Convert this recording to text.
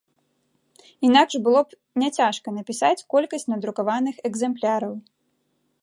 Інакш было б няцяжка напісаць колькасць надрукаваных экземпляраў.